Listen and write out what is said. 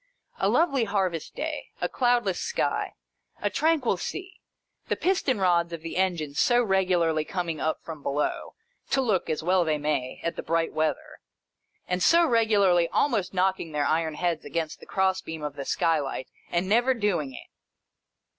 A lovely harvest day, a cloudless sky, a tranquil sea. The piston rods of the engines so regularly coming up from below, to look (as well they may) at the bright weather, and so regularly almost knocking their iron heads against the cross beam of the skylight, and never doing it